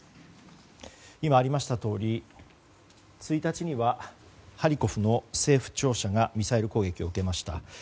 今ありましたとおり１日にはハリコフの政府庁舎がミサイル攻撃を受けました。